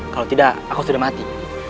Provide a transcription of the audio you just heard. kalau tidak aku sudah mati